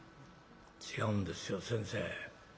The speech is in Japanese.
「違うんですよ先生。